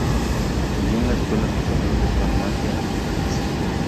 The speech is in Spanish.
Estudió en la "Escuela Superior de Farmacia de París".